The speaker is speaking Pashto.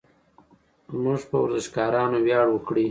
زموږ په ورزشکارانو ویاړ وکړئ.